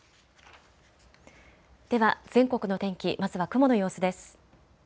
では全国の天気、まずは雲の様子です。